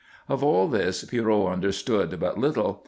Of all this Pierrot understood but little.